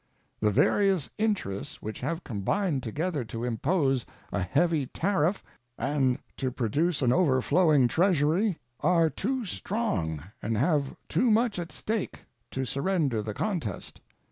The various interests which have combined together to impose a heavy tariff and to produce an overflowing Treasury are too strong and have too much at stake to surrender the contest.